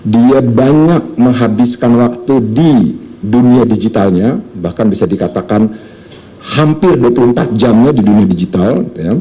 dia banyak menghabiskan waktu di dunia digitalnya bahkan bisa dikatakan hampir dua puluh empat jamnya di dunia digital